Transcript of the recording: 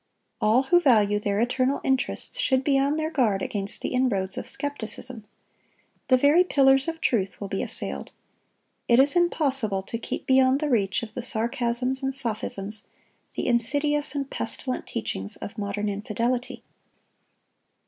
(1037) All who value their eternal interests should be on their guard against the inroads of skepticism. The very pillars of truth will be assailed. It is impossible to keep beyond the reach of the sarcasms and sophisms, the insidious and pestilent teachings, of modern infidelity.